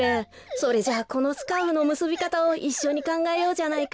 それじゃあこのスカーフのむすびかたをいっしょにかんがえようじゃないか。